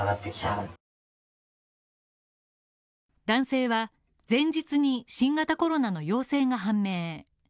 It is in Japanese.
男性は前日に新型コロナの陽性が判明。